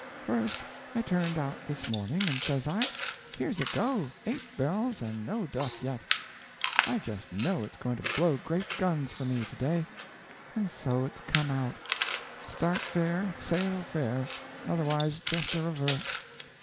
First, I turned out this morning and says I, 'Here's a go—eight bells and no duff yet! I just know it's going to blow great guns for me to day.' And so it's come out. Start fair, sail fair; otherwise, just the reverse.